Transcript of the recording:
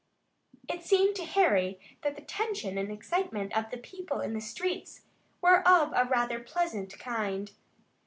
It seemed to Harry that the tension and excitement of the people in the streets were of a rather pleasant kind.